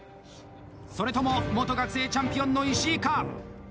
それとも元学生チャンピオンの石井か？